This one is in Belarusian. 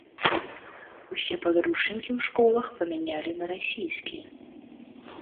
Усе падручнікі ў школах памянялі на расійскія.